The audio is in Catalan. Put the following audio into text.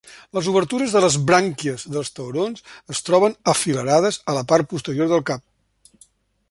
Les obertures de les brànquies dels taurons es troben afilerades a la part posterior del cap.